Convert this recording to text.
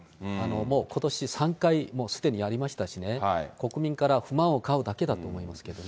もうことし３回、もうすでにやりましたしね、国民から不満を買うだけだと思いますけどね。